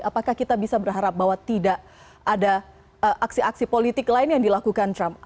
apakah kita bisa berharap bahwa tidak ada aksi aksi politik lain yang dilakukan trump